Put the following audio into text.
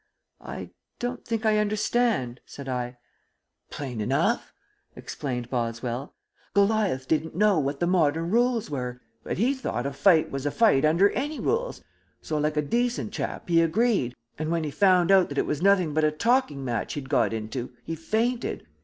"I don't think I understand," said I. "Plain enough," explained Boswell. "Goliath didn't know what the modern rules were, but he thought a fight was a fight under any rules, so, like a decent chap, he agreed, and when he found that it was nothing but a talking match he'd got into he fainted.